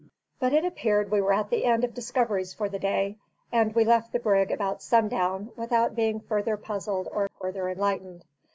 But it appeared we were at the end of discoveries for the day; and we left the brig about sundown, without being further puzzled or further enlightened.